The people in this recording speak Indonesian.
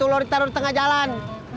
ought nut back n bach kasih mu